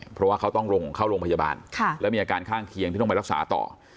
เพราะว่าเขาต้องเข้าโรงพยาบาลแล้วมีอาการข้างเคียงที่ต้องไปรักษาต่อ